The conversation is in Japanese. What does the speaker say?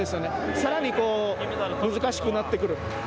さらに難しくなってくる。